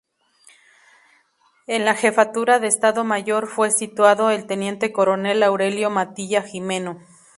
En la jefatura de Estado Mayor fue situado el teniente coronel Aurelio Matilla Jimeno.